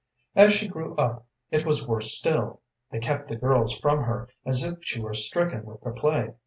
“As she grew up, it was worse still. They kept the girls from her, as if she were stricken with the plague.